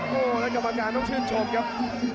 โหแล้วก็บางการต้องชื่นชมครับ